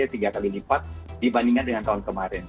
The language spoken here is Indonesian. dua kali atau tiga kali lipat dibandingkan dengan tahun kemarin